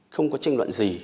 không có tranh luận gì